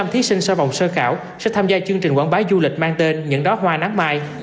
một mươi thí sinh sau vòng sơ khảo sẽ tham gia chương trình quảng bá du lịch mang tên những đó hoa nắng mai